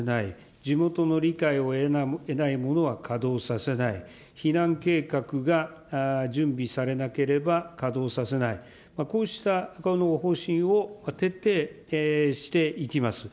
地元の理解を得ないものは稼働させない、避難計画が準備されなければ稼働させない、こうした方針を徹底していきます。